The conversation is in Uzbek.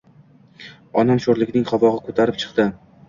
Onam sho‘rlikning qovog‘i ko‘karib chiqdi.